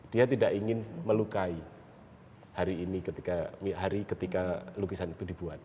dia tidak ingin melukai hari ini ketika lukisan ini